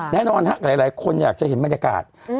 แน่นอนฮะหลายคนอยากจะเห็นบรรยากาศ